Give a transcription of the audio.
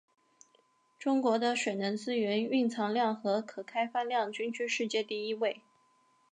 中国的水能资源蕴藏量和可开发量均居世界第一位。